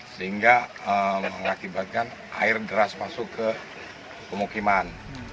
sehingga mengakibatkan air deras masuk ke pemukiman